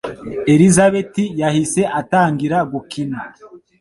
Elizabeth yahise atangira gukina.